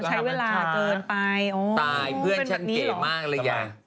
ใช้เวลาเกินไปเป็นแบบนี้หรอทำไมโอ้ใช้เวลาเกินไปอ๋อตายเพื่อนฉันเก่มากเลยยะ